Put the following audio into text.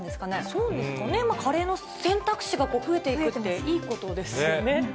そうなんですかね、カレーの選択肢が増えていくっていいことですよね。